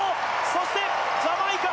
そしてジャマイカ